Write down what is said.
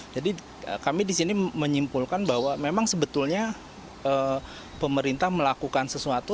jadi kami disini menyimpulkan bahwa memang sebetulnya pemerintah melakukan sesuatu